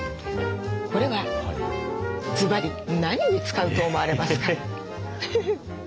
これはずばり何に使うと思われますか？